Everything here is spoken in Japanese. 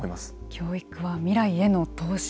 教育は未来への投資